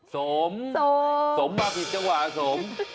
สมสมมาผิดจังหวะสม